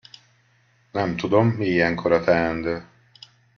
Nem tudom, mi ilyenkor a teendő.